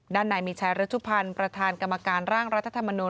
ด้านในมีชายรัชุพันธ์ประธานกรรมการร่างรัฐธรรมนูล